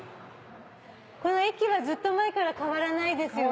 この駅はずっと前から変わらないですよね？